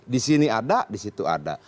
di sini ada di situ ada